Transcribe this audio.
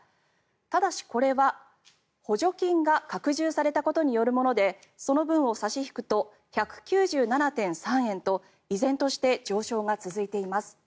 ただし、これは補助金が拡充されたことによるものでその分を差し引くと１９７．３円と依然として上昇が続いています。